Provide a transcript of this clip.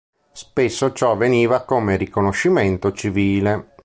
Spesso ciò avveniva come riconoscimento civile.